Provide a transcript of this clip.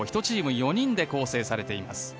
１チーム４人で構成されています。